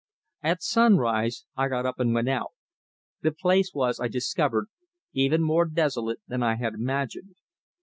At sunrise I got up and went out. The place was, I discovered, even more desolate than I had imagined.